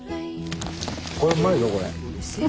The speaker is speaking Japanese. これうまいぞこれ。